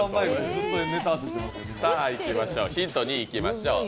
ヒント２いきましょう。